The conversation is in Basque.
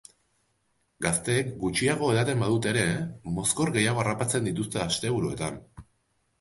Gazteek gutxiago edaten badute ere, mozkor gehiago harrapatzen dituzte asteburuetan.